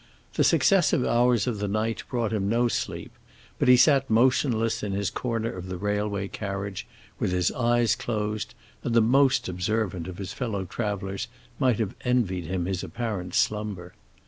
The successive hours of the night brought him no sleep, but he sat motionless in his corner of the railway carriage, with his eyes closed, and the most observant of his fellow travelers might have envied him his apparent slumber.